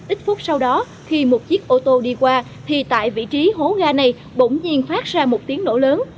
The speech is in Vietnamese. ít phút sau đó khi một chiếc ô tô đi qua thì tại vị trí hố ga này bỗng nhiên phát ra một tiếng nổ lớn